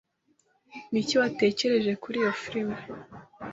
Ni iki watekereje kuri iyo filime?